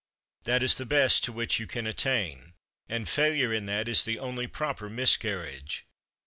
That is the best to which you can attain: and failure in that is the only proper miscarriage.